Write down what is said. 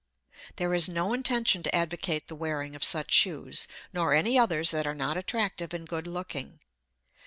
There is no intention to advocate the wearing of such shoes, nor any others that are not attractive and good looking.